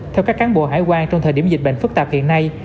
theo các cán bộ hải quan trong thời điểm dịch bệnh phức tạp hiện nay